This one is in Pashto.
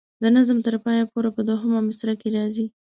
د نظم تر پایه پورې په دوهمه مصره کې راځي.